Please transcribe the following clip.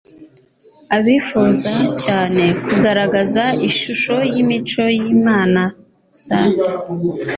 Abifuza cyane kugaragaza ishusho y'imico y'Imana, bazanyurwa.